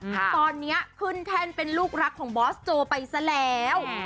ตอนนี้ขึ้นแท่นเป็นลูกรักของบอสโจไปซะแล้ว